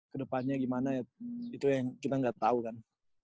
kedepannya gimana itu ya yang kita gak tau kan